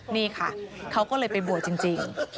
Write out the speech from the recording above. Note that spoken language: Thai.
นี่ค่ะเขาก็เลยไปบวชจริง